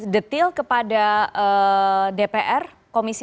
detil kepada dpr komisi